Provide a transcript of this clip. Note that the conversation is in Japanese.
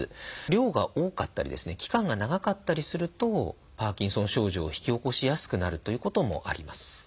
量が多かったりですね期間が長かったりするとパーキンソン症状を引き起こしやすくなるということもあります。